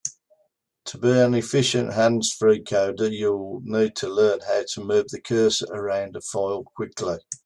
To be an efficient hands-free coder, you'll need to learn how to move the cursor around a file quickly.